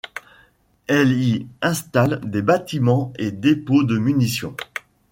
Elle y installe des bâtiments et dépôts de munitions.